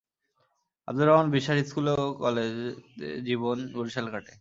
Abdur Rahman Biswas school ও college জীবন বরিশালে কাটে।